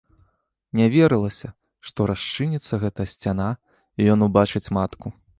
Не верылася, што расчыніцца гэта сцяна і ён убачыць матку.